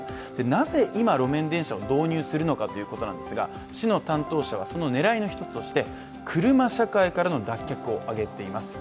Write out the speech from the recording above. なぜ今、路面電車を導入するのかということですが、市の担当者はその狙いの一つとして、車社会からの脱却を挙げています。